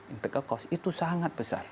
impact nya cost itu sangat besar